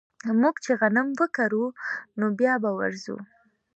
موږ چې غنم وکرو نو بيا به ورځو